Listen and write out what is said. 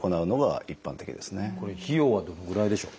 これ費用はどのぐらいでしょう？